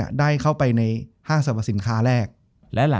จบการโรงแรมจบการโรงแรม